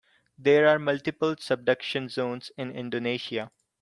There are multiple subduction zones in Indonesia.